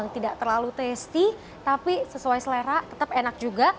tidak terlalu tasty tapi sesuai selera tetap enak juga